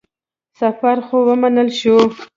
سفر خو ومنل شو.